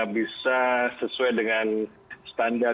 bisa sesuai dengan standar